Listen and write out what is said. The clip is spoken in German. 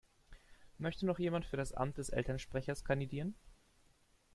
Möchte noch jemand für das Amt des Elternsprechers kandidieren?